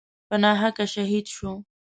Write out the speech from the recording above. په ناحقه شهید شو.